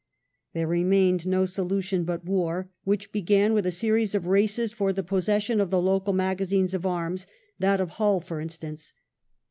There remained no solution but war, which began with a series of races for the possession of the local magazines of arms, that of Hull for instance.